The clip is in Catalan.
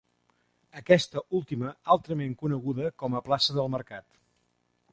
Aquesta última altrament coneguda com a plaça del Mercat.